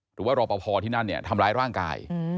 หรือว่ารอบภพอที่นั่นเนี่ยทำร้ายร่างกาย